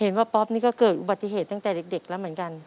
ป๊อปนี่ก็เกิดอุบัติเหตุตั้งแต่เด็กแล้วเหมือนกัน